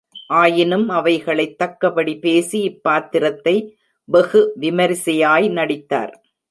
ஆயினும் அவைகளைத் தக்கபடி பேசி இப் பாத்திரத்தை வெகு விமரிசையாய் நடித்தார்.